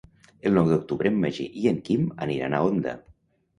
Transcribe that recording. El nou d'octubre en Magí i en Quim aniran a Onda.